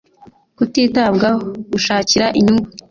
kutitabwaho gushakira inyungu